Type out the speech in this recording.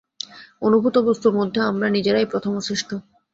অনুভূত বস্তুর মধ্যে আমরা নিজেরাই প্রথম ও শ্রেষ্ঠ।